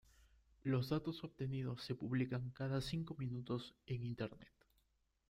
Los datos obtenidos se publican cada cinco minutos en Internet.